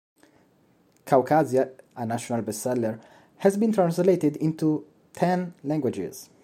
"Caucasia", a national bestseller, has been translated into ten languages.